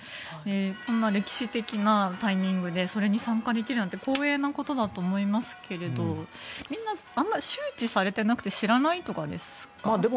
こんな歴史的なタイミングでそれに参加できるなんて光栄なことだと思いますがあまり周知されていなくて知らないとかですか？